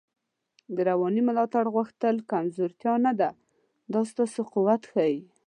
د روانی ملاتړ غوښتل کمزوتیا نده، دا ستا قوت ښایی